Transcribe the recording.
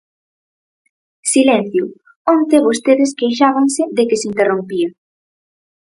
Silencio, onte vostedes queixábanse de que se interrompía.